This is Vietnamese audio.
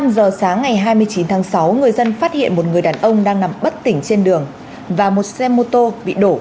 năm giờ sáng ngày hai mươi chín tháng sáu người dân phát hiện một người đàn ông đang nằm bất tỉnh trên đường và một xe mô tô bị đổ